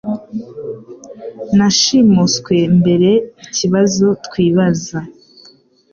Nashimuswe mbere ikibazo twibaza